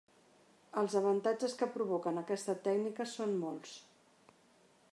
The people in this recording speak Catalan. Els avantatges que provoquen aquesta tècnica són molts.